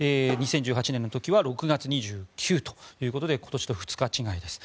２０１８年の時は６月２９日ということで今年と２日違いです。